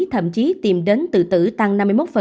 thậm chí tìm đến tự tử tăng năm mươi một